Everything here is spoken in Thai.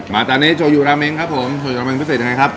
มาตอนนี้โชยูราเมงครับผมโชยูราเมงพิเศษยังไงครับ